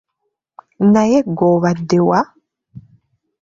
Naye ggwe obadde wa?